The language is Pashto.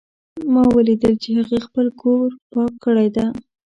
ما ولیدل چې هغې خپل کور پاک کړی ده